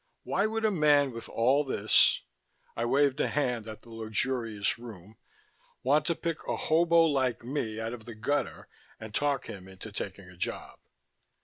"Why would a man with all this " I waved a hand at the luxurious room "want to pick a hobo like me out of the gutter and talk him into taking a job?"